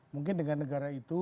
mungkin dengan negara itu